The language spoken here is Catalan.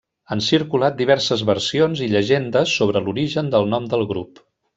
Han circulat diverses versions i llegendes sobre l'origen del nom del grup.